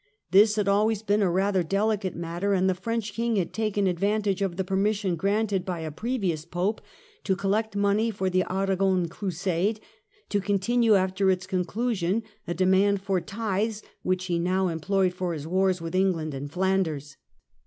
This had always been a rather delicate matter, and the French King had taken advan tage of the permission granted by a previous Pope to collect money for the Aragon Crusade, to continue after its conclusion a demand for tithes, which he now em ployed for his wars with England and Flanders.